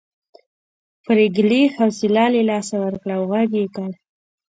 پريګلې حوصله له لاسه ورکړه او غږ یې کړ